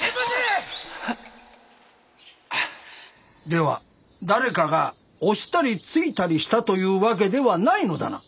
では誰かが押したり突いたりしたという訳ではないのだな？